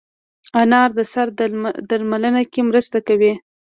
انار د سر درملنه کې مرسته کوي.